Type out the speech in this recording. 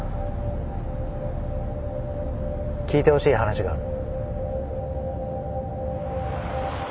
聞いてほしい話がある。